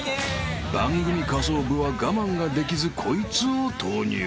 ［番組下層部は我慢ができずこいつを投入］